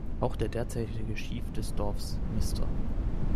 Auch der derzeitige Chief des Dorfs, Mr.